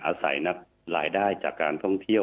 อาศัยนับรายได้จากการท่องเที่ยว